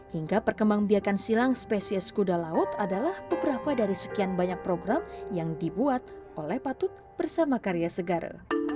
hingga perkembang biakan silang spesies kuda laut adalah beberapa dari sekian banyak program yang dibuat oleh patut bersama karya segara